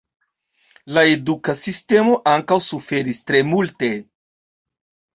La eduka sistemo ankaŭ suferis tre multe.